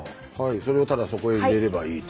それをただそこへ入れればいいと。